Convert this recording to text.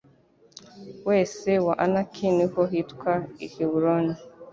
we se wa Anaki Ni ho hitwa i Heburoni